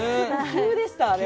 急でしたあれ